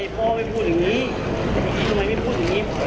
พ่อไม่พูดอย่างนี้ทำไมไม่พูดอย่างนี้